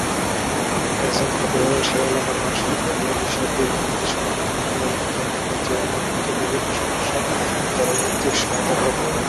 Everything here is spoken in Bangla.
একজন খতিব হবেন সেই এলাকার মানুষের ধর্মীয় বিষয়ের দিকনির্দেশনা দানকারী এবং দৈনন্দিন জীবনে উদ্ভূত বিভিন্ন সমস্যার ধর্মভিত্তিক সমাধা প্রদানকারী।